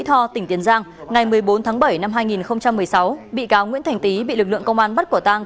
tòa nhân dân tp hcm ngày một mươi bốn tháng bảy năm hai nghìn một mươi sáu bị cáo nguyễn thành tý bị lực lượng công an bắt quả tăng